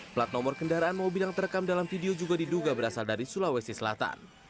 plat nomor kendaraan mobil yang terekam dalam video juga diduga berasal dari sulawesi selatan